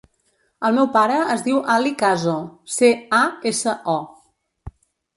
El meu pare es diu Ali Caso: ce, a, essa, o.